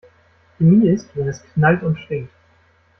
Chemie ist, wenn es knallt und stinkt.